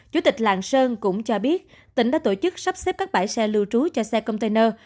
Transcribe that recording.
chủ tịch lạng sơn cũng cho biết tỉnh đã tổ chức sắp xếp các bãi xe lưu trú cho xe container